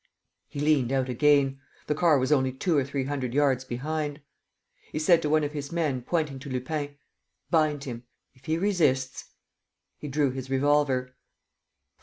He leant out again. The car was only two or three hundred yards behind. He said to his men, pointing to Lupin. "Bind him. If he resists. ..." He drew his revolver.